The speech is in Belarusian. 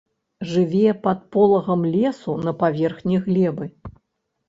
Жыве пад полагам лесу на паверхні глебы.